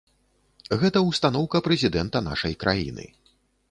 Гэта ўстаноўка прэзідэнта нашай краіны.